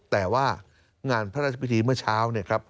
แต่ว่างานพระราชบิถีเมื่อเช้า